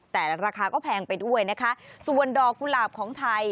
แต่ราคาก็แพงไปด้วยนะคะส่วนดอกกุหลาบของไทย